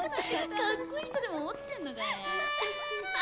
かっこいいとでも思ってんのかね。